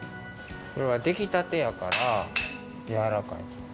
これはできたてやからやわらかい。